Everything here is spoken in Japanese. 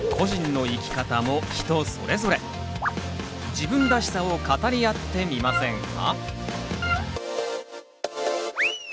自分らしさを語り合ってみませんか？